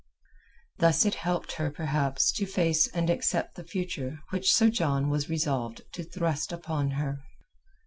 Thus it helped her perhaps to face and accept the future which Sir John was resolved to thrust upon her.